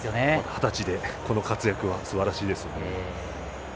二十歳でこの活躍はすばらしいです。